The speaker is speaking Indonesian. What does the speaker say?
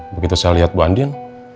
begitu saya lihat bu andin